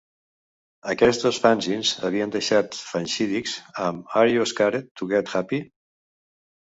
Aquests dos fanzins havien deixat flexidiscs, amb "Are You Scared To Get Happy?".